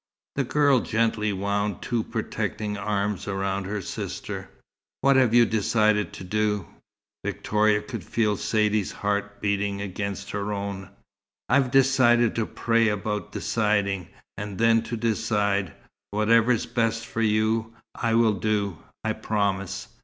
The girl gently wound two protecting arms round her sister. "What have you decided to do?" Victoria could feel Saidee's heart beating against her own. "I've decided to pray about deciding, and then to decide. Whatever's best for you, I will do, I promise."